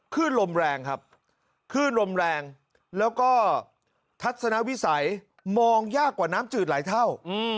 ขึ้นลมแรงครับคลื่นลมแรงแล้วก็ทัศนวิสัยมองยากกว่าน้ำจืดหลายเท่า